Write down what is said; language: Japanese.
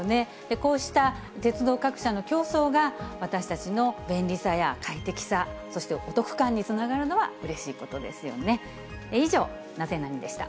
こうした鉄道各社の競争が、私たちの便利さや快適さ、そしてお得感につながるのはうれしいことですよね。